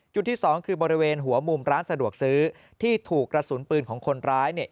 ที่สองคือบริเวณหัวมุมร้านสะดวกซื้อที่ถูกกระสุนปืนของคนร้ายเนี่ย